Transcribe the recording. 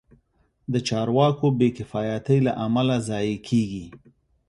د چارواکو بې کفایتۍ له امله ضایع کېږي.